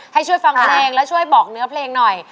ให้ช่วยฟังเพลงและช่วยบอกเนื้อเพลงหน่อย